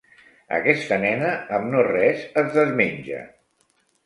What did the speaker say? Aquesta nena amb no res es desmenja.